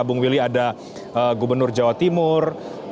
bung willy ada gubernur jawa timur